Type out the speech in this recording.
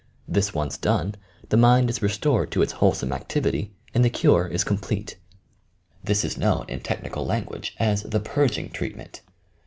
This once done, the mind is re stored to its wholesome activity, and the cure is com plete. This is known in technical language as the "Purging Treatment."